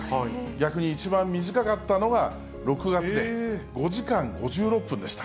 逆に一番短かったのが６月で、５時間５６分でした。